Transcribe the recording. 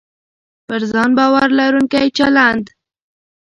پر ځان باور لرونکی چلند